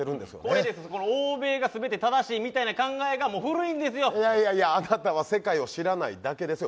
この欧米が全て正しいみたいな考えがもう古いんですよいやいやいやあなたは世界を知らないだけですよ